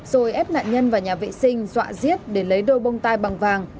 rồi ép nạn nhân vào nhà vệ sinh dọa giết để lấy đôi bông tai bằng vàng